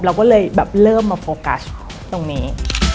เราก็เลยแบบเริ่มมาโฟกัสตรงนี้